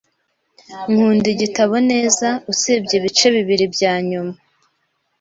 Nkunda igitabo neza usibye ibice bibiri byanyuma.